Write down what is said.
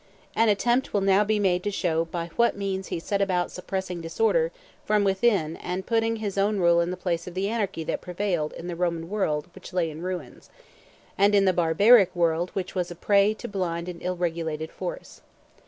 An attempt will now be made to show by what means he set about suppressing disorder from within and putting his own rule in the place of the anarchy that prevailed in the Roman world which lay in ruins, and in the barbaric world which was a prey to blind and ill regulated force.